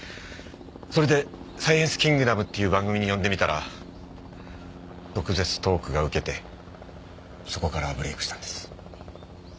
それで『サイエンスキングダム』っていう番組に呼んでみたら毒舌トークが受けてそこからブレークしたんです。